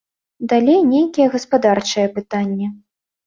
Далей нейкія гаспадарчыя пытанні.